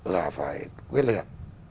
là phải quyết luyện